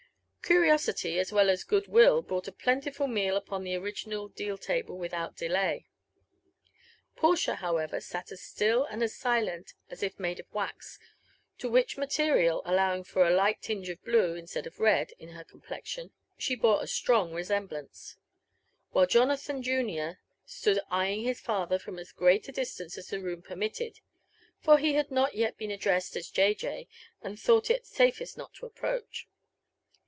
Curiosity as well as good will brought a plentiful meal upon the original deal table without delay. Portia, howeyeri sat as still and as silent as if made of wax, to which material, allowing for a slight tinge of blue, instead of red, in her complexion, she bore a strong re semblance ; while Jonathan juniorstood eyeing his father from asgreal a distance as the room permitted— for he bad not yet been addressed as J. J., and thought it safest not to approach.